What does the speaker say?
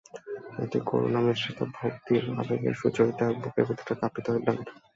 একটি করুণামিশ্রিত ভক্তির আবেগে সুচরিতার বুকের ভিতরটা কাঁপিতে লাগিল।